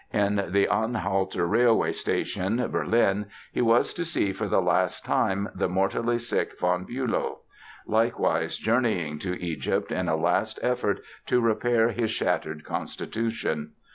In the Anhalter railway station, Berlin, he was to see for the last time the mortally sick von Bülow, likewise journeying to Egypt in a last effort to repair his shattered constitution.